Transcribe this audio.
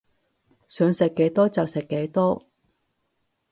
想食幾多就食幾多